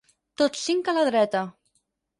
Tots cinc a la dreta.